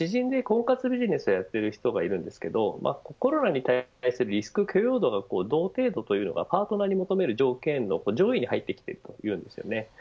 知人で婚活ビジネスをやっている人がいるんですけどコロナに対するリスク許容度の同程度というのがパートナーに求める条件の上位に入ってきます。